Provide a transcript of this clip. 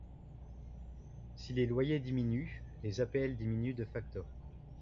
Si les loyers diminuent, les APL diminuent de facto.